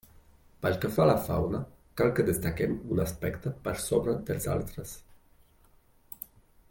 Pel que fa a la fauna, cal que destaquem un aspecte per sobre dels altres.